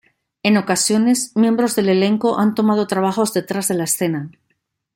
En ocasiones, miembros del elenco han tomado trabajos detrás de escena.